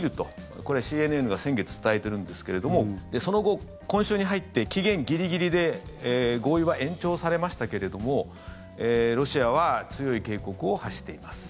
これ、ＣＮＮが先月、伝えてるんですけれどもその後、今週に入って期限ギリギリで合意は延長されましたけれどもロシアは強い警告を発しています。